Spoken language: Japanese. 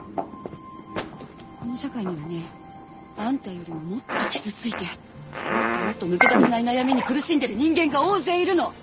この社会にはねあんたよりももっと傷ついてもっともっと抜け出せない悩みに苦しんでる人間が大勢いるの！